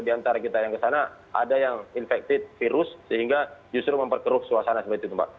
di antara kita yang kesana ada yang infected virus sehingga justru memperkeruh suasana seperti itu mbak